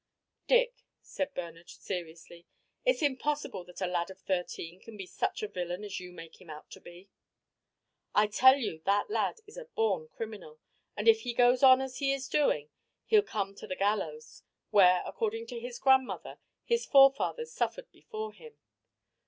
"Dick," said Bernard, seriously, "it's impossible that a lad of thirteen can be such a villain as you make him out to be." "I tell you that lad is a born criminal, and if he goes on as he is doing he'll come to the gallows, where, according to his grandmother, his forefathers suffered before him.